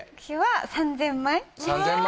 ３０００枚？